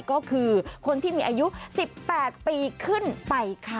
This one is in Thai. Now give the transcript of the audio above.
ก็คือคนที่มีอายุ๑๘ปีขึ้นไปค่ะ